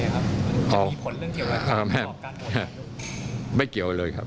มันจะมีผลเรื่องเกี่ยวเลยครับ